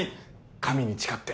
神に誓って。